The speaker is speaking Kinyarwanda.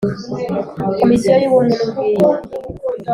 Komisiyo y ubumwe n ubwiyunge